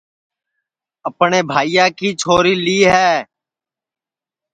اپٹؔے بھائیا کی چھوری لی ہے